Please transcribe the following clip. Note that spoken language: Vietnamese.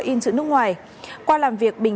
in chữ nước ngoài qua làm việc bình